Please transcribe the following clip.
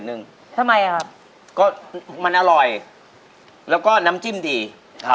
หายลูกชิ้นไหมคะ